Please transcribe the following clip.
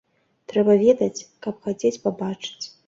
Трэба ведаць, каб хацець пабачыць.